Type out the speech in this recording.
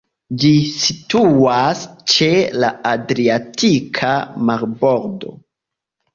Ĝi situas ĉe la Adriatika marbordo.